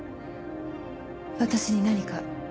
私に何か？